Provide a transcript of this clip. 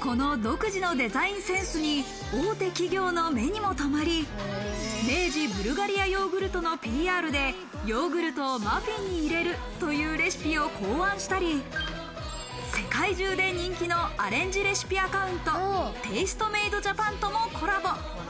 この独自のデザインセンスに大手企業の目にもとまり、明治ブルガリアヨーグルトのＰＲで、ヨーグルトをマフィンに入れるというレシピを考案したり、世界中で人気のアレンジレシピアカウント、テイストメイドジャパンともコラボ。